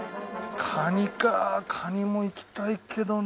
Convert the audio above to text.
カニかカニもいきたいけどな。